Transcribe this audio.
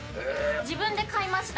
自分で買いました。